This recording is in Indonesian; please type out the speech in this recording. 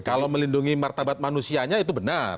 kalau melindungi martabat manusianya itu benar